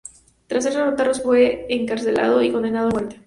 Tras ser derrotados, fue encarcelado y condenado a muerte.